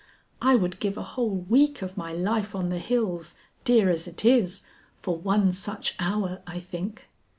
I would give a whole week of my life on the hills, dear as it is, for one such hour, I think."